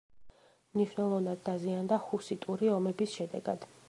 მნიშვნელოვნად დაზიანდა ჰუსიტური ომების შედეგად.